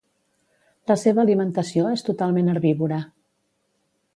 La seva alimentació és totalment herbívora.